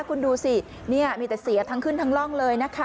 คุณดูสิเนี่ยมีแต่เสียทั้งขึ้นทั้งร่องเลยนะคะ